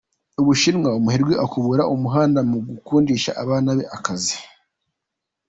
U Bushinwa Umuherwe akubura umuhanda mu gukundisha abana be akazi